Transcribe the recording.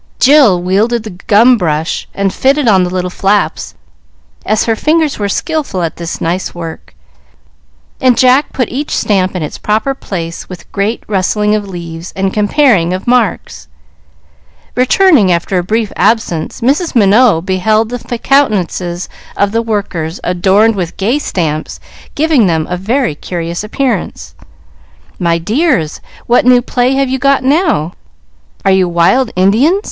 Jill wielded the gum brush and fitted on the little flaps, as her fingers were skilful at this nice work, and Jack put each stamp in its proper place with great rustling of leaves and comparing of marks. Returning, after a brief absence, Mrs. Minot beheld the countenances of the workers adorned with gay stamps, giving them a very curious appearance. "My dears! what new play have you got now? Are you wild Indians?